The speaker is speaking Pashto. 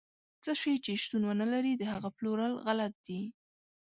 څه شی چې شتون ونه لري، د هغه پلورل غلط دي.